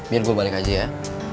biar gue balik aja ya